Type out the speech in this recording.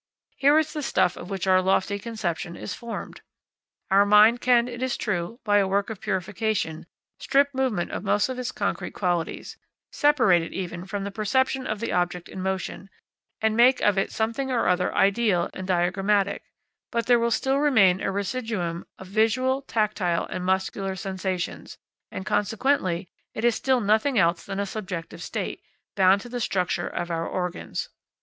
Here is the stuff of which our lofty conception is formed. Our mind can, it is true, by a work of purification, strip movement of most of its concrete qualities, separate it even from the perception of the object in motion, and make of it a something or other ideal and diagrammatic; but there will still remain a residuum of visual, tactile, and muscular sensations, and consequently it is still nothing else than a subjective state, bound to the structure of our organs.